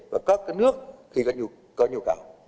và các nước thì có nhu cầu